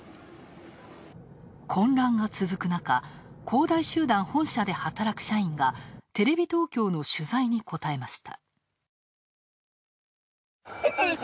混乱が続く中、恒大集団本社で働く社員がテレビ東京の取材に答えました。